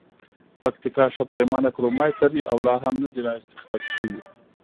پکتیکا ښه پریمانه کرومایټ لري او لا هم ندي را اختسراج شوي.